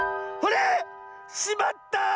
あれ⁉しまった！